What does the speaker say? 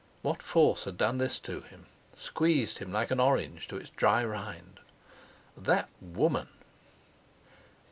What force had done this to him—squeezed him like an orange to its dry rind! That woman!